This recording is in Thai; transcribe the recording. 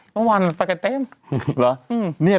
ระวังไปกันเต็ม